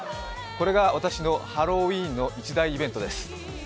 これが私のハロウィーンの一大イベントです。